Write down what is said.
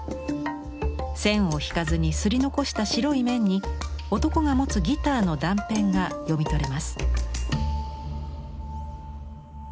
線を引かずに刷り残した白い面に男が持つギターの断片が読み取れます。